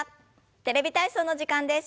「テレビ体操」の時間です。